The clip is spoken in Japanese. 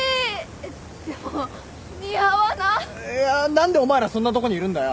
何でお前らそんなとこにいるんだよ！？